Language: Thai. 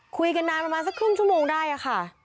คุยกันนานประมาณสักครึ่งชั่วโมงได้ค่ะ